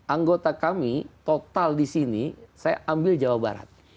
anggota kami total di sini saya ambil jawa barat